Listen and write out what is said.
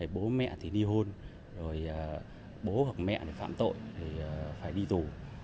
bố mẹ thì đi hôn bố hoặc mẹ thì phạm tội phải đi tù